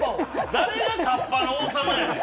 誰がカッパの王様やねん！